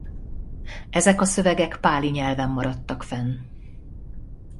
Ezek a szövegek páli nyelven maradtak fenn.